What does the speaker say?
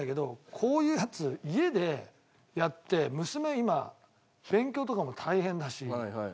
こういうやつ家でやって娘今勉強とかも大変だし「パパうるさい」と。